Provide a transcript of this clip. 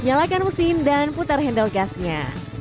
nyalakan mesin dan putar handle gasnya